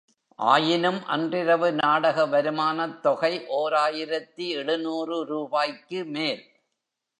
ஆயினும், அன்றிரவு நாடக வருமானத் தொகை ஓர் ஆயிரத்து எழுநூறு ரூபாய்க்குமேல்!